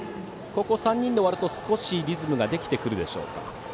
ここ３人で終わると少しリズムができてくるでしょうか。